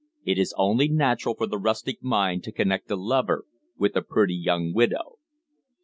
It is only natural for the rustic mind to connect a lover with a pretty young widow."